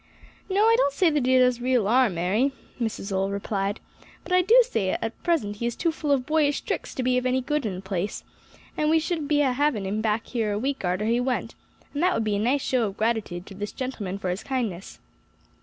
"No, I don't say that he does real harm, 'Arry," Mrs. Holl replied, "but I do say as at present he is too full of boyish tricks to be of any good in a place, and we should be a having him back here a week arter he went, and that would be a nice show of gratitude to this gentleman for his kindness."